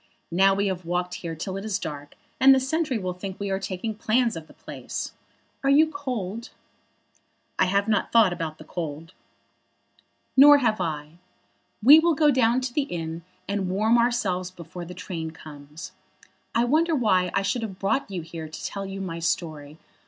Now we have walked here till it is dark, and the sentry will think we are taking plans of the place. Are you cold?" "I have not thought about the cold." "Nor have I. We will go down to the inn and warm ourselves before the train comes. I wonder why I should have brought you here to tell you my story.